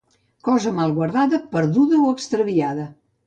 Cosa mal guardada, perduda o extraviada.